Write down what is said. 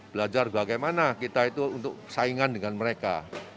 belajar bagaimana kita itu untuk saingan dengan mereka